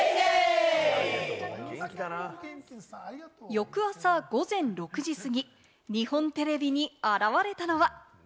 翌朝午前６時過ぎ、日本テレビに現れたのは。